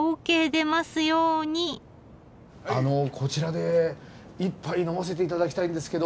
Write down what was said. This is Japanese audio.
あのこちらで１杯呑ませていただきたいんですけど。